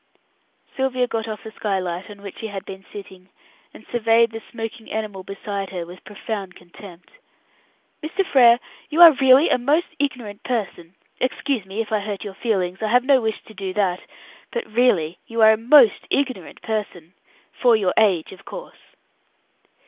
Sylvia got off the skylight on which she had been sitting, and surveyed the smoking animal beside her with profound contempt. "Mr. Frere, you are really a most ignorant person. Excuse me if I hurt your feelings; I have no wish to do that; but really you are a most ignorant person for your age, of course."